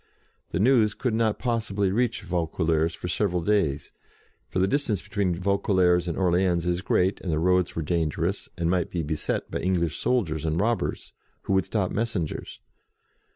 The news could not possibly reach Vaucouleurs for several days, for the distance between Vaucou leurs and Orleans is great, and the roads were dangerous, and might be beset by English soldiers and by robbers, who would stop messengers.